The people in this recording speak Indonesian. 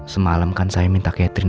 semalam kan saya minta catering